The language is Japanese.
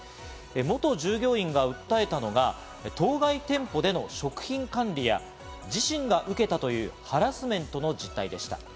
元従業員が訴えたのは、当該店舗での食品管理や自身が受けたというハラスメントの実態でした。